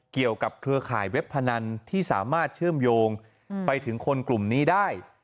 เครือข่ายเว็บพนันที่สามารถเชื่อมโยงไปถึงคนกลุ่มนี้ได้